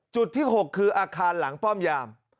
จุดที่๖คืออาคารหลังป้อมยาม